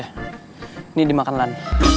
ini dimakan lan